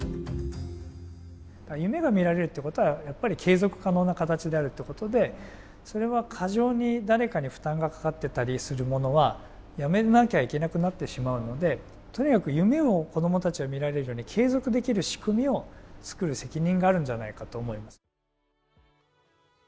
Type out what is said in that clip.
夢が見られるってことはやっぱり継続可能な形であるってことでそれは過剰に誰かに負担がかかってたりするものはやめなきゃいけなくなってしまうので、とにかく夢を子どもたちが見られるように継続できる仕組みを作る責任があるんじゃないかと思います。